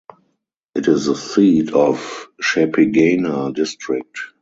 It is the seat of Chepigana District.